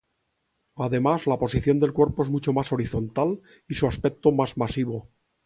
Además la posición del cuerpo es mucho más horizontal y su aspecto más masivo.